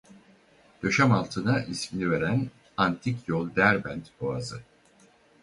Döşemealtı'na ismini veren Antik Yol-Derbent Boğazı.